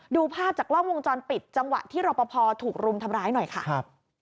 ดูภาพจากกล้องวงจรปิดจังหวะที่รอปภถูกรุมทำร้ายหน่อยค่ะครับ